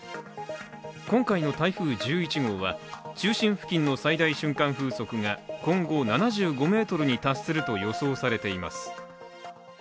今回の台風１１号は中心付近の最大瞬間風速が今後、７５メートルに達すると予想されています。